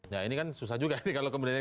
ya ini kan susah juga